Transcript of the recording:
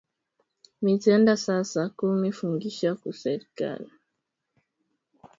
Mitenda sasa kumu fungisha ku serkali